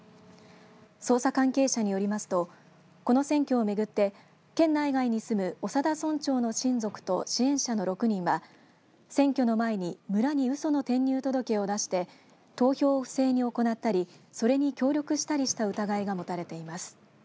捜査関係者によりますとこの選挙をめぐって県内外に住む長田村長の親族と支援者の６人は選挙の前に村にうその転入届を出して投票を不正に行ったりそれに協力したりした疑いが持たれています。